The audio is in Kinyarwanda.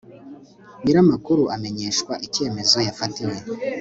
nyir amakuru amenyeshwa icyemezo yafatiwe